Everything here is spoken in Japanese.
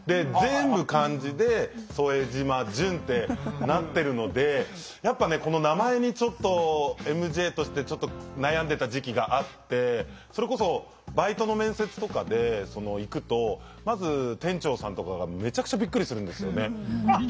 全部漢字で「副島淳」ってなってるのでやっぱねこの名前にちょっとＭＪとしてちょっと悩んでた時期があってそれこそバイトの面接とかで行くとまず店長さんとかがめちゃくちゃびっくりするんですよね。